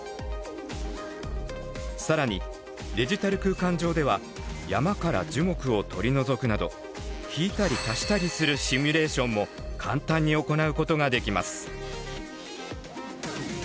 更にデジタル空間上では山から樹木を取り除くなど引いたり足したりするシミュレーションも簡単に行うことができます。